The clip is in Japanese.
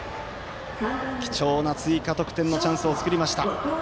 貴重な追加得点のチャンスを作りました。